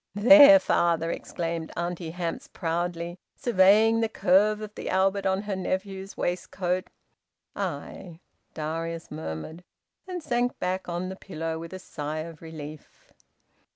"There, father!" exclaimed Auntie Hamps proudly, surveying the curve of the Albert on her nephew's waistcoat. "Ay!" Darius murmured, and sank back on the pillow with a sigh of relief.